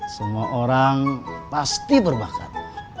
semua orang pasti berbakat